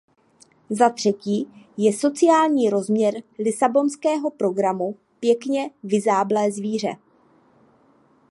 Za třetí je sociální rozměr lisabonského programu pěkně vyzáblé zvíře.